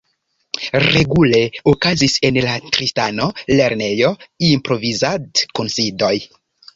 Regule okazis en la Tristano-Lernejo improvizad-kunsidoj.